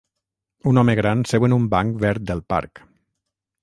Un home gran seu en un banc verd del parc.